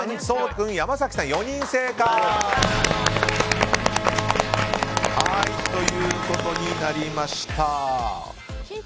颯太君、山崎さん４人正解ということになりました。